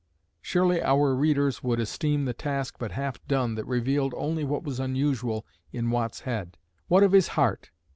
Surely our readers would esteem the task but half done that revealed only what was unusual in Watt's head. What of his heart?